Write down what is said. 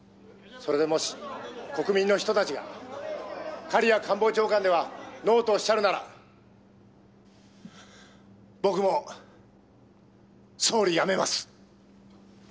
「それでもし国民の人たちが狩屋官房長官ではノーと仰るなら僕も総理辞めます！」